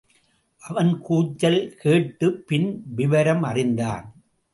அவன் கூச்சல் கேட்டுப் பின் விவரம் அறிந்தான்.